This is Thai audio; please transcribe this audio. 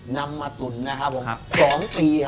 นำมาตุ๋น๒ปี